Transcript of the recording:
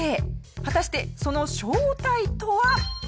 果たしてその正体とは？